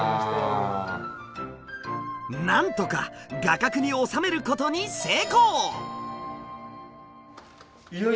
なんとか画角に収めることに成功！